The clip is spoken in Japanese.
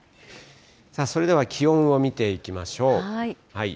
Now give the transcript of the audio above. それでは、気温を見ていきましょう。